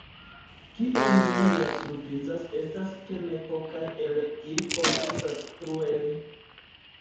Kio min ja surprizas estas ke ne pokaj el ili konkursas plue!